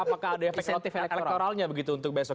apakah ada efek loktif elektoralnya begitu untuk besok